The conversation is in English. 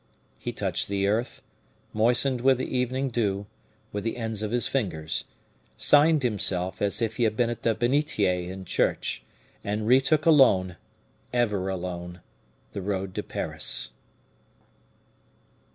He touched the earth, moistened with the evening dew, with the ends of his fingers, signed himself as if he had been at the benitier in church, and retook alone ever alone the road to Paris.